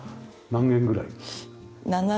何軒ぐらい？